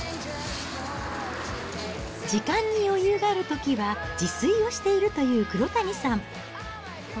時間に余裕があるときは、自炊をしているという黒谷さん。